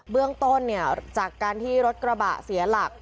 เบื้องต้นจากการที่รถกระบะเสียหลัก